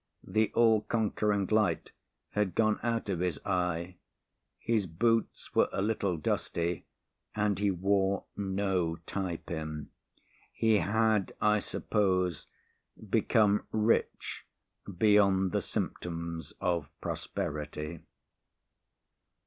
The all conquering light had gone out of his eye. His boots were a little dusty and he wore no tie pin. He had, I suppose, become rich beyond the symptoms of prosperity.